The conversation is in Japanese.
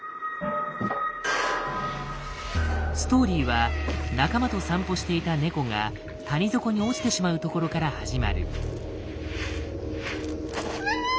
ストーリーは仲間と散歩していた猫が谷底に落ちてしまうところから始まる。